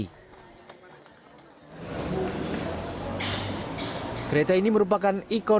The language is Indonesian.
kereta ini merupakan kereta yang diperlukan untuk menjaga kemerdekaan